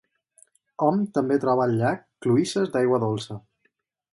Hom també troba al llac cloïsses d'aigua dolça.